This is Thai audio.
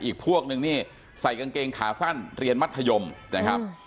พวกนึงนี่ใส่กางเกงขาสั้นเรียนมัธยมนะครับ